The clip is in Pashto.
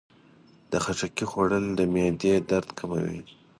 د خټکي خوړل د معدې درد کموي.